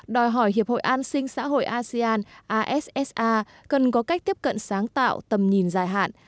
đòi hỏi hiệp hội an sinh xã hội asean assa cần có cách tiếp cận sáng tạo tầm nhìn dài hạn